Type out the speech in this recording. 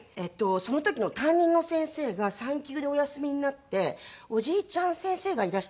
その時の担任の先生が産休でお休みになっておじいちゃん先生がいらしたんですね